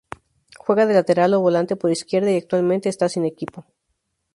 Juega de lateral o volante por izquierda y actualmente está sin equipo.